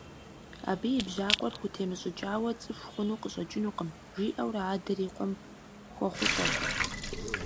Абы и бжьакъуэр хутемыщӀыкӀауэ цӀыху хъуну къыщӀэкӀынукъым, – жиӀэурэ адэр и къуэм хуэхъущӀэрт.